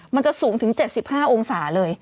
มันจะสูงถึง๗๕องศาเลย